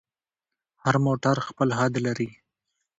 هر موټر خپل حد لري.